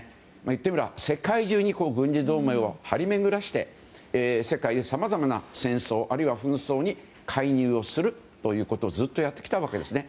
言ってみれば世界中に軍事同盟を張り巡らせて世界のさまざまな戦争あるいは紛争に介入をするということをずっとやってきたわけですね。